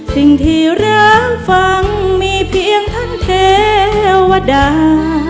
สิ่งที่รักฟังมีเพียงท่านเทวดา